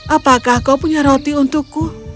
apakah kau punya roti untukku